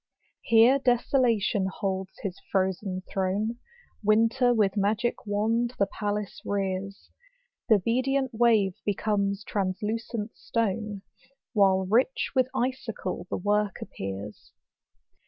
Here Desolation holds his frozen throne; Winter with magic wand the palace rears; Th' obedient wave becomes translucent stone, While iicli witn icicle the work appears.